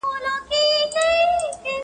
نن چي مي له دار سره زنګېږم ته به نه ژاړې٫